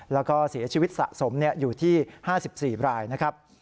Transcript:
แล้วก็เสียชีวิตสะสมอยู่ที่๕๔รายนะครับ